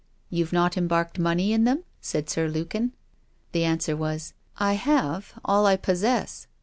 'You 've not embarked money in them?' said Sir Lukin. The answer was: 'I have; all I possess.'